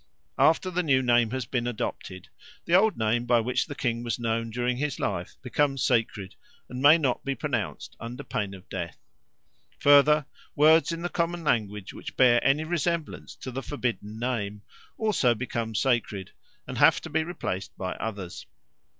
After the new name has been adopted, the old name by which the king was known during his life becomes sacred and may not be pronounced under pain of death. Further, words in the common language which bear any resemblance to the forbidden name also become sacred and have to be replaced by others.